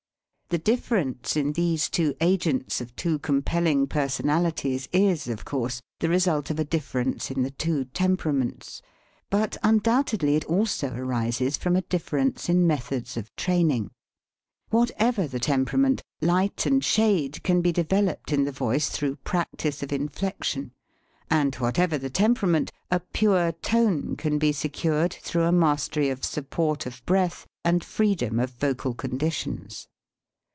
The difference in these two agents of two compelling personalities is, of course, the re sult of a difference in the two temperaments , but undoubtedly it also arises from a dif ference in methods of training. Whatever the temperament, light and shade can be developed in the voice through practice of inflection; and whatever the temperament, a pure tone can be secured through a mastery of support of breath and freedom of vocal conditions.